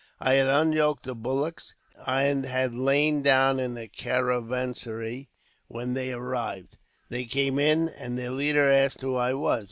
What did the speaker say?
"I had unyoked the bullocks, and had lain down in the caravanserai, when they arrived. They came in, and their leader asked who I was.